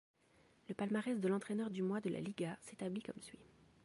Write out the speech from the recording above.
Le palmarès de l'entraîneur du mois de La Liga s'établit comme suit.